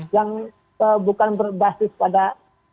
yang bukan berbasis politik